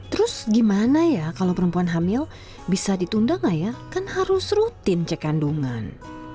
terus gimana ya kalau perempuan hamil bisa ditunda gak ya kan harus rutin cek kandungan